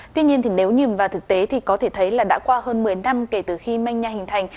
tuy nhiên thì nếu nhìn vào thực tế thì có thể thấy là đã qua hơn một mươi năm kể từ khi manh nha hình thành